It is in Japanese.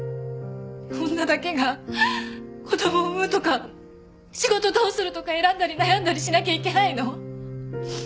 女だけが子供産むとか仕事どうするとか選んだり悩んだりしなきゃいけないの？